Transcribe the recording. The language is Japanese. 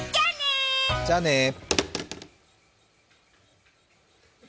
じゃあね。